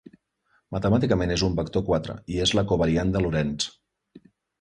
Matemàticament és un vector quatre, i és la covariant de Lorentz.